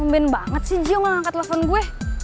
aduh pemben banget sih jiwo ngangkat telepon gue